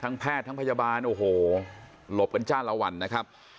แพทย์ทั้งพยาบาลโอ้โหหลบกันจ้าละวันนะครับ